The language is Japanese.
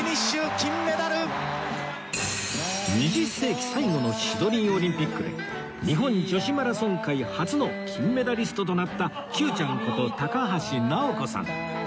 ２０世紀最後のシドニーオリンピックで日本女子マラソン界初の金メダリストとなった Ｑ ちゃんこと高橋尚子さん